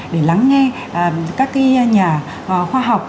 để lắng nghe các nhà khoa học